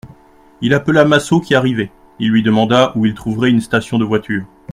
Il appela Massot qui arrivait, il lui demanda où il trouverait une station de voitures.